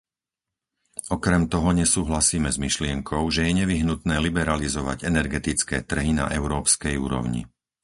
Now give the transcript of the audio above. Okrem toho nesúhlasíme s myšlienkou, že je nevyhnutné liberalizovať energetické trhy na európskej úrovni.